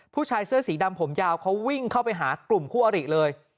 ผู้ชายเสื้อสีดำผมยาวเขาวิ่งเข้าไปหากลุ่มคู่อริเลย